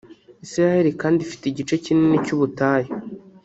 Isiraheli kandi ifite igice kinini cy’ubutayu